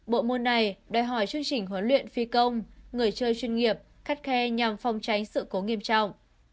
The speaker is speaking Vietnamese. bộ môn này đòi hỏi chương trình huấn luyện phi công người chơi chuyên nghiệp khắt khe nhằm phòng tránh sự cố nghiêm trọng